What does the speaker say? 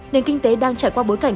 nền kinh tế đang trải qua bối cảnh